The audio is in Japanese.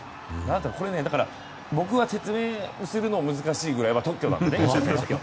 これ、僕が説明するのが難しいくらいの特許なのでね、吉田選手の。